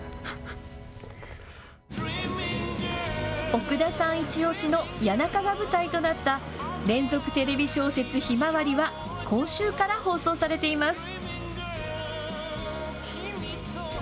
奥田さんいちオシの谷中が舞台となった連続テレビ小説、ひまわりは今週から放送されています。